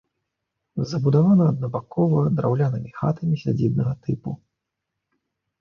Забудавана аднабакова драўлянымі хатамі сядзібнага тыпу.